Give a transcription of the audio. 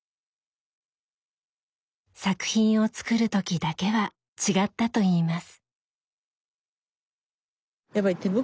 作品を作る時だけは違ったといいます。